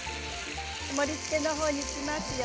盛りつけの方に行きますよ。